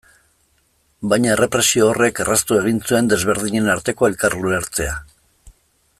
Baina errepresio horrek erraztu egin zuen desberdinen arteko elkar ulertzea.